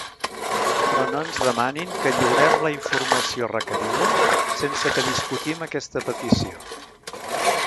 Però no ens demanin que lliurem la informació requerida sense que discutim aquesta petició.